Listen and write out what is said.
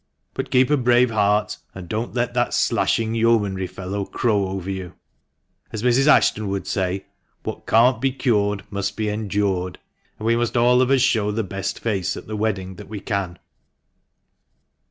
But keep a brave heart, and don't let that slashing yeomanry fellow crow over you. As Mrs. Ashton would say, ' What can't be cured must be endured,' and we must all of us show the best face at the wedding that we can."